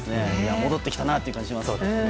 戻ってきたなという感じしますね。